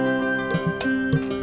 jangan merebut aku scventy